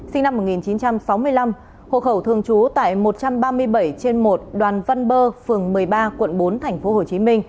sinh năm một nghìn chín trăm sáu mươi năm hộ khẩu thường trú tại một trăm ba mươi bảy trên một đoàn văn bơ phường một mươi ba quận bốn tp hcm